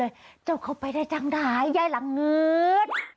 เอาเข้าไปได้จังหรือย่าย่ายแหลกเงิด